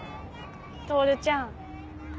透ちゃん。